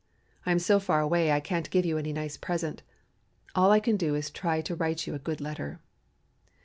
I am so far away I can't give you any nice present; all I can do is to try to write you a good letter....